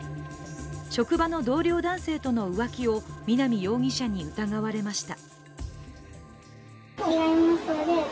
職場の同僚男性との浮気を南容疑者に疑われました。